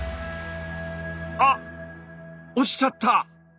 あっ落ちちゃった。